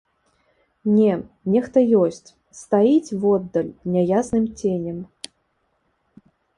Не, нехта ёсць, стаіць воддаль няясным ценем.